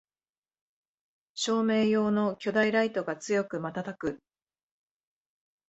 照明用の巨大ライトが強くまたたく